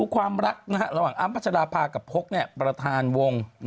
ความรักระหว่างอ้ำพัชราภากับพกประธานวง